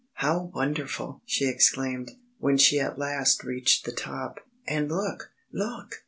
"How wonderful!" she exclaimed, when she at last reached the top. "And look LOOK!